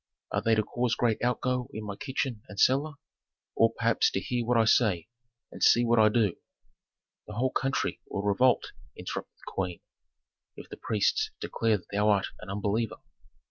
Are they to cause great outgo in my kitchen and cellar? Or, perhaps, to hear what I say, and see what I do?" "The whole country will revolt," interrupted the queen, "if the priests declare that thou art an unbeliever."